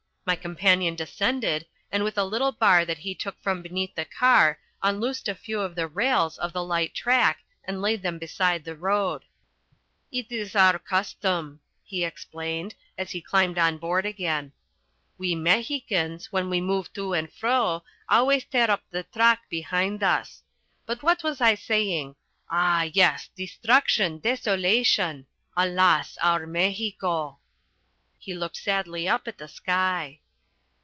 My companion descended, and with a little bar that he took from beneath the car unloosed a few of the rails of the light track and laid them beside the road. "It is our custom," he explained, as he climbed on board again. "We Mexicans, when we move to and fro, always tear up the track behind us. But what was I saying? Ah, yes destruction, desolation, alas, our Mexico!" He looked sadly up at the sky.